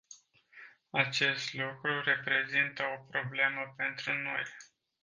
Acest lucru reprezintă o problemă pentru noi.